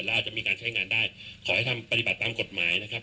แล้วอาจจะมีการใช้งานได้ขอให้ทำปฏิบัติตามกฎหมายนะครับ